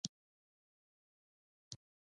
قلم د سیاست مقاله لیکي